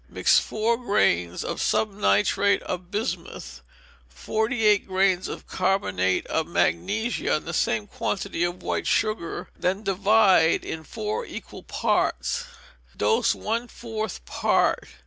Mix four grains of subnitrate of bismuth, forty eight grains of carbonate of magnesia, and the same quantity of white sugar, and then divide in four equal parts. Dose, one fourth part.